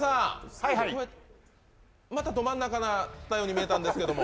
またど真ん中なように見えたんですけど。